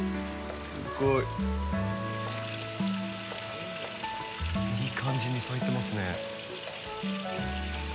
すごい。いい感じに咲いてますね。